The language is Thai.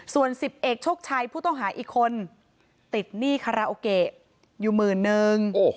ส่วน๑๐เอกโชคชัยผู้ต้องหาอีกคนติดหนี้คาราโอเกะอยู่หมื่นนึง